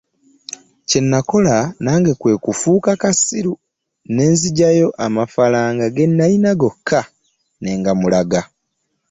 Kye nakola nange kwe kufuuka kasiru ne nzigyayo amafalanga ge nnalina gonna ne ngamulaga.